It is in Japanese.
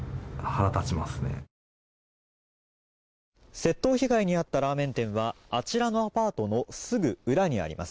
窃盗被害に遭ったラーメン店はあちらのアパートのすぐ裏にあります。